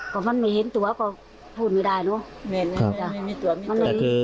ก็มันไม่เห็นตัวก็พูดไม่ได้เนอะ